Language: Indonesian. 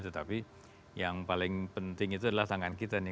tetapi yang paling penting itu adalah tangan kita nih